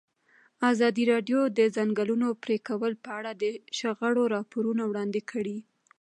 ازادي راډیو د د ځنګلونو پرېکول په اړه د شخړو راپورونه وړاندې کړي.